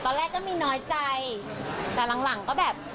ตอนแรกก็มีน้อยใจแต่หลังหลังก็แบบ